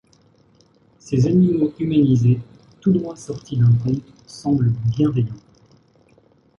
Ces animaux humanisés tout droit sortis d’un conte semblent bienveillants.